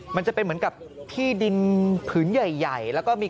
มันจะเป็นเหมือนกับที่ดินผืนใหญ่แล้วก็มี